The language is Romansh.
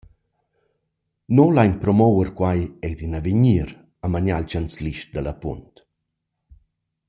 Nus lain promouver quai eir in avegnir», ha manià il chanzlist da La Punt.